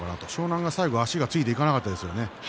海が最後は足がついていかなかったですね。